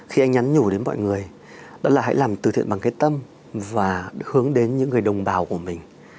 khi anh nhắn nhủ đến mọi người đó là hãy làm từ thiện bằng cái tâm và hướng đến những người đồng bào của mình